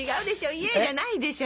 「いえい」じゃないでしょ